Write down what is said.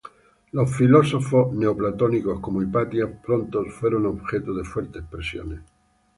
Los filósofos neoplatónicos como Hipatia pronto fueron objeto de fuertes presiones.